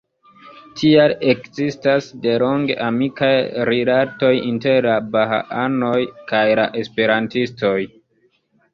Tial ekzistas delonge amikaj rilatoj inter la bahaanoj kaj la esperantistoj.